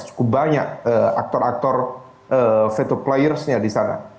cukup banyak aktor aktor veto players nya di sana